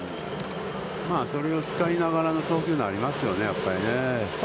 それを使いながらの投球になりますよね、やっぱりね。